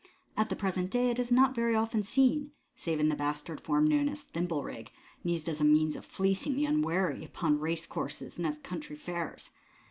At the present day it is not very often seen, save in the bastard form known as " thimble rig," and used as a means of fleecing the unwary upon race courses and at country fairs.